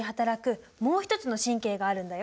もう一つの神経があるんだよ。